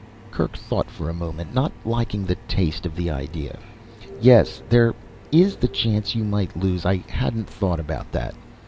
Kerk thought for a moment, not liking the taste of the idea. "Yes there is the chance you might lose, I hadn't thought about that."